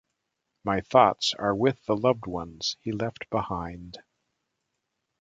My thoughts are with the loved ones he left behind.